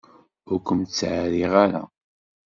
Ur kem-ttɛerriɣ ara.